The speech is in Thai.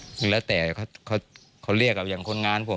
หลายเขาเรียกกับอย่างคนงานผม